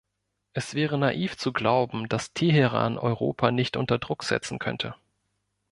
Es wäre naiv zu glauben, dass Teheran Europa nicht unter Druck setzen könnte.